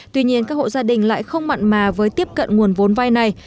tuy nhiên các hộ gia đình lại không mặn mà với tiếp cận nguồn vốn vai này